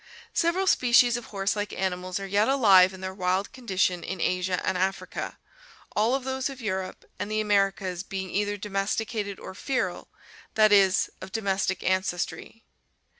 — Several species of horse like animals are yet alive in their wild condition in Asia and Africa, all of those of Europe and the Americas being either domesticated or feral, that is, of domestic ancestry.